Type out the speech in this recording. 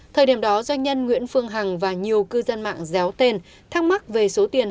thời điểm đó doanh nhân nguyễn phương hằng và nhiều cư dân mạng réo tên thắc mắc về số tiền